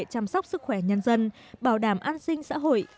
chăm sóc sức khỏe nhân dân bảo đảm an sinh xã hội